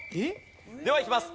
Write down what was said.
ではいきます。